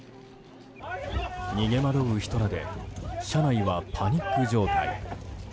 逃げ惑う人らで車内はパニック状態。